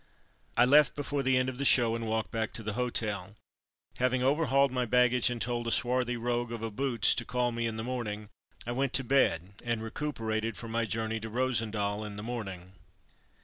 '' I left before the end of the show, and walked back to the hotel. Having over hauled my baggage and told a swarthy rogue of a Boots to call me in the morning, I went to bed, and recuperated for my journey to Rosendael in the morning.